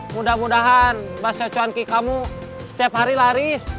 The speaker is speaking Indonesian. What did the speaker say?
mudah mudahan bakso cuanki kamu setiap hari laris